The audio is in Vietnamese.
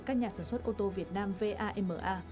các nhà sản xuất ô tô việt nam vama